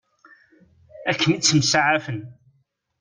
Akken i ttemsaɛafen.